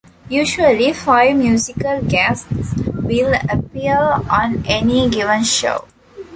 Usually, five musical guests will appear on any given show.